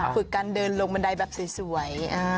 ฝึกการเดินลงบันไดแบบสวย